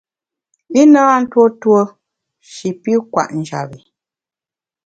I na ntuo tuo shi pi kwet njap bi.